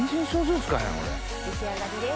出来上がりです。